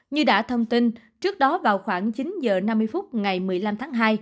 như đã thông tin trước đó vào khoảng chín h năm mươi phút ngày một mươi năm tháng hai